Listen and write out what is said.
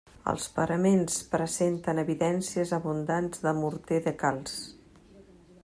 Els paraments presenten evidències abundants de morter de calç.